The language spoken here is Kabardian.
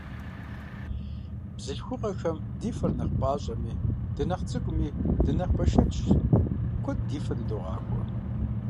Бзылъхугъэхэм ди фэр нэхъ пӀащӀэми, дынэхъ цӀыкӀуми, дынэхъ бэшэчщ, куэд ди фэ дыдогъахуэ.